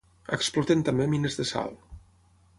Exploten també mines de sal.